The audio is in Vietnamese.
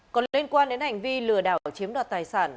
còn liên quan đến hành vi lừa đảo chiếm đoạt tài sản